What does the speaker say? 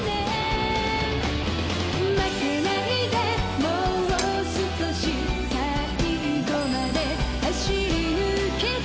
「負けないでもう少し最後まで走り抜けて」